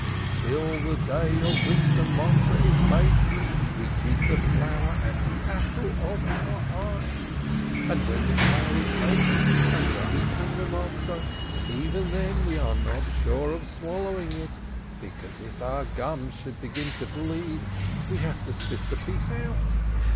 "Till the day on which the cakes are baked, we keep the flour as the apple of our eye. And when the flour is baked, and we are eating the cakes, even then we are not sure of swallowing it, because if our gums should begin to bleed, we have to spit the piece out.